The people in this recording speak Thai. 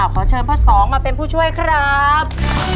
ขอเชิญพ่อสองมาเป็นผู้ช่วยครับ